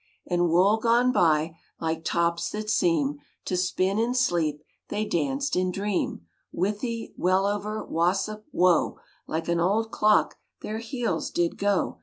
And Wool gone by, Like tops that seem To spin in sleep They danced in dream: Withy Wellover Wassop Wo Like an old clock Their heels did go.